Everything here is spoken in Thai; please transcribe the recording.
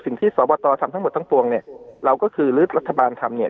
สอบตทำทั้งหมดทั้งปวงเนี่ยเราก็คือหรือรัฐบาลทำเนี่ย